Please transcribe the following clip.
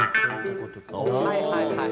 はいはいはい。